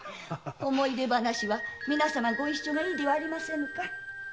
思い出話はご一緒がよいではありませぬか。